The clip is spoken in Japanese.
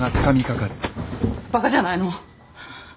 バカじゃないの。